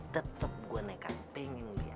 tetep gue naik kantengin dia